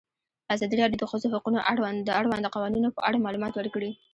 ازادي راډیو د د ښځو حقونه د اړونده قوانینو په اړه معلومات ورکړي.